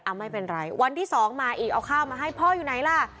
ไม่เป็นไรวันที่สองมาอีกเอาข้าวมาให้พ่ออยู่ไหนล่ะ